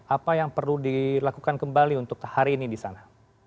apa yang perlu dilakukan kembali untuk hari ini di sana